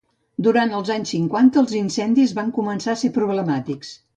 Durant els anys cinquanta, els incendis van començar a ser problemàtics.